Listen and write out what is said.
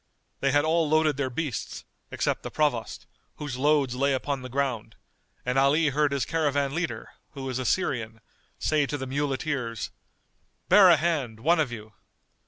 They had all loaded their beasts, except the Provost, whose loads lay upon the ground, and Ali heard his caravan leader, who was a Syrian, say to the muleteers, "Bear a hand, one of you!"